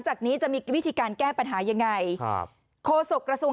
ใช่ค่ะทีนี้ปัญหาที่เกิดขึ้น